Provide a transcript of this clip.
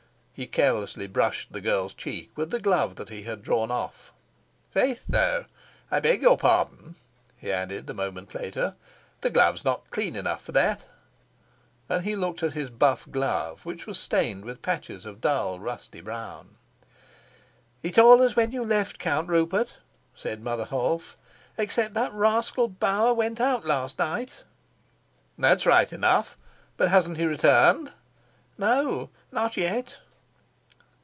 He carelessly brushed the girl's cheek with the glove that he had drawn off. "Faith, though, I beg your pardon." he added a moment later, "the glove's not clean enough for that," and he looked at his buff glove, which was stained with patches of dull rusty brown. "It's all as when you left, Count Rupert," said Mother Holf, "except that that rascal Bauer went out last night " "That's right enough. But hasn't he returned?" "No, not yet."